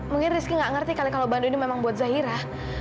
mungkin rizky nggak ngerti kali kalau bandung ini memang buat zahira